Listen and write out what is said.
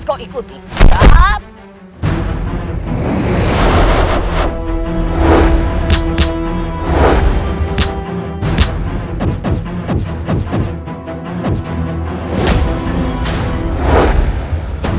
kau buktikan saja sendiri